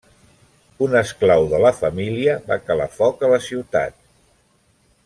Un esclau de la família va calar foc a la ciutat.